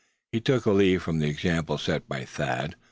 He took a leaf from the example set by Thad.